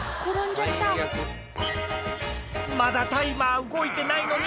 まだタイマー動いてないのに。